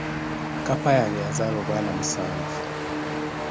Kkapa yange yazaala obwana musanvu.